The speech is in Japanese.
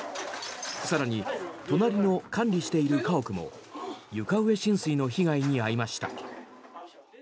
更に、隣の管理している家屋も床上浸水の被害に遭いました。